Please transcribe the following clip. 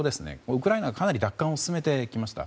ウクライナはかなり奪還を進めてきました。